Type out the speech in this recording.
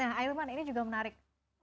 nah ailman ini juga menarik